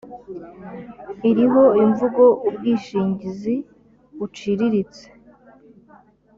iriho imvugo ubwishingizi buciriritse